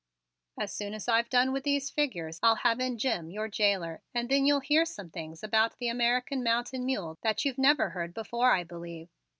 "As soon as I've done with these figures I'll have in Jim, your jailer, and then you'll hear some things about the American mountain mule that you never heard before, I believe."